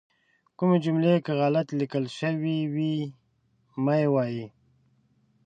کومې جملې که غلطې لیکل شوي وي مه یې وایئ.